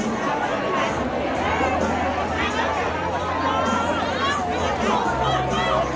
สวัสดีครับ